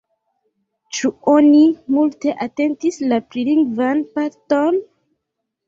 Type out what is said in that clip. Ĉu oni multe atentis la prilingvan parton?